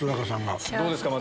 どうですか？